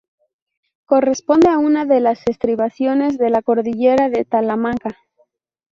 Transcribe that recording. Corresponde a una de las estribaciones de la Cordillera de Talamanca.